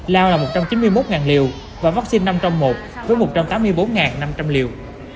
lao là một trăm chín mươi một liều và vaccine năm trong một với một trăm tám mươi bốn năm trăm linh liều